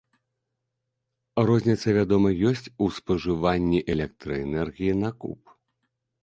Розніца, вядома, ёсць у спажыванні электраэнергіі на куб.